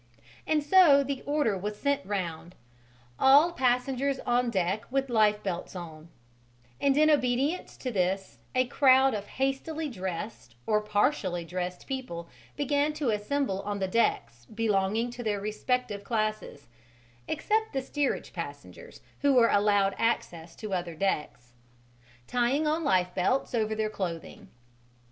And so the order was sent round, "All passengers on deck with lifebelts on"; and in obedience to this a crowd of hastily dressed or partially dressed people began to assemble on the decks belonging to their respective classes (except the steerage passengers who were allowed access to other decks), tying on lifebelts over their clothing.